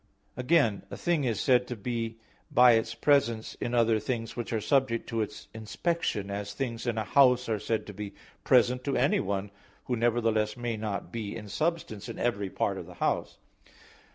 Again a thing is said to be by its presence in other things which are subject to its inspection; as things in a house are said to be present to anyone, who nevertheless may not be in substance in every part of the house.